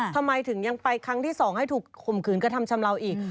ทำไมถึงยังไปครั้งที่๒ให้ถูกข่มขืนกระทำชำเลาอีก